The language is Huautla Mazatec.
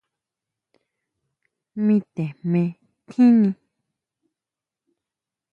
Mi te jme tjini.